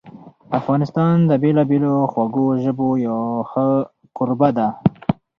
افغانستان د بېلابېلو خوږو ژبو یو ښه کوربه ده.